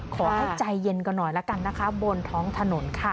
ขอให้ใจเย็นกันหน่อยละกันนะคะบนท้องถนนค่ะ